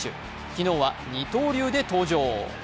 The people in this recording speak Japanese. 昨日は二刀流で登場。